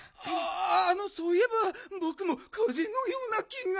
あのそういえばぼくもかぜのようなきが。